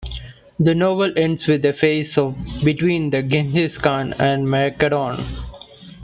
The novel ends with a face off between the "Genghis Khan" and the "Macedon".